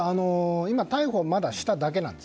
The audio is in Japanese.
今、逮捕をまだしただけなんです。